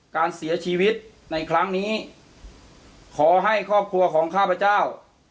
การเสียชีวิตในครั้งนี้ขอให้ครอบครัวของข้าพเจ้า